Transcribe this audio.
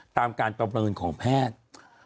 ตามการประเมินของแพทย์